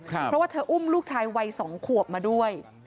เพราะว่าเธออุ้มลูกชายวัย๒ขวบมาด้วย